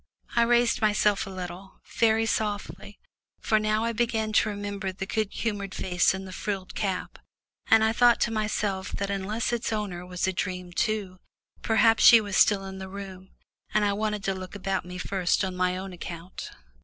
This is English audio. I raised myself a little, very softly, for now I began to remember the good humoured face in the frilled cap, and I thought to myself that unless its owner were a dream too, perhaps she was still in the room, and I wanted to look about me first on my own account.